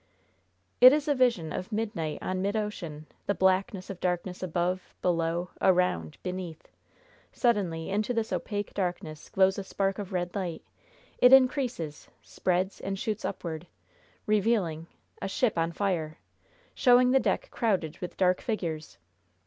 "It is a vision of midnight on midocean the blackness of darkness above, below, around, beneath. Suddenly into this opaque darkness glows a spark of red light. It increases, spreads, and shoots upward, revealing a ship on fire! Showing the deck crowded with dark figures!